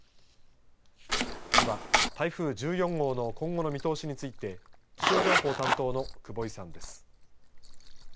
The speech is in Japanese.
では、台風１４号の今後の見通しについて気象情報担当の久保井さんです。